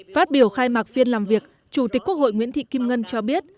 phát biểu khai mạc phiên làm việc chủ tịch quốc hội nguyễn thị kim ngân cho biết